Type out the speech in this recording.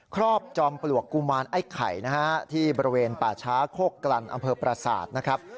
ครอบจอมประหลวกกุมารไอ้ไข่ที่บริเวณป่าช้าโคกรันอำเภอปรศาสตร์นะครับ